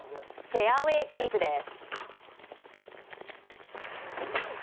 フェアウェーキープです。